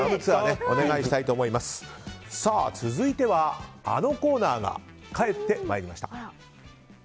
続いてはあのコーナーが帰ってまいりました。